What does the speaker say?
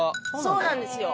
そうなんですよ。